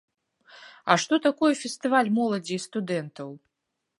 А што такое фестываль моладзі і студэнтаў?